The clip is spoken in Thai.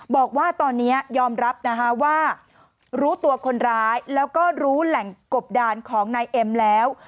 บอกว่าตอนนี้ยอมรับนะคะว่ารู้ตัวคนร้ายแล้วก็รู้แหล่งกบดานของนายเอ็มแล้ว